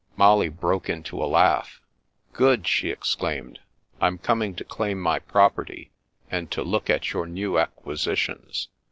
Molly broke into a laugh. " Good !" she ex claimed. " I'm coming to claim my property, and to look at your new acquisitions.